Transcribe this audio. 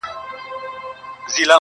څنگ ته چي زه درغــــلـم.